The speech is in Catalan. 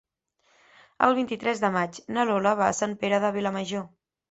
El vint-i-tres de maig na Lola va a Sant Pere de Vilamajor.